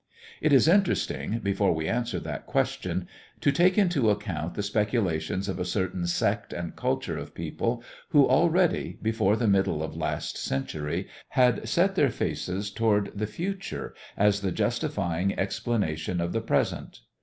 It is interesting, before we answer that question, to take into account the speculations of a certain sect and culture of people who already, before the middle of last century, had set their faces toward the future as the justifying explanation of the present.